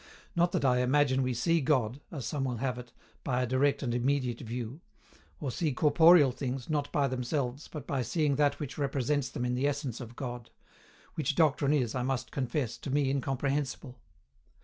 Not that I imagine we see God (as some will have it) by a direct and immediate view; or see corporeal things, not by themselves, but by seeing that which represents them in the essence of God, which doctrine is, I must confess, to me incomprehensible.